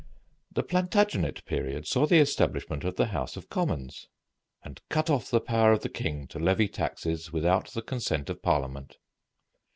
The Plantagenet period saw the establishment of the House of Commons, and cut off the power of the king to levy taxes without the consent of Parliament.